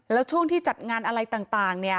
แล้วช่วงที่จัดงานอะไรต่างเนี่ย